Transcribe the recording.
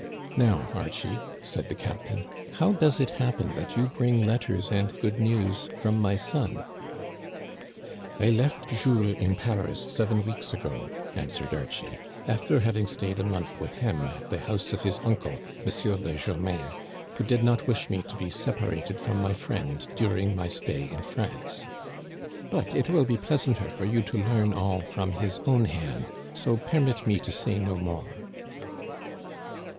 Now, Archie," said the captain, " how does it hap pen that you bring letters and good news from my son ?"" I left Jules in Paris seven weeks ago," answered Archie, " after having stayed a month with him at the house of his uncle M. de Germain, who did not wish me to be separated from my friend during my stay in France ; but it will be pleasanter for you to learn all from his own hand, so permit me to say no more."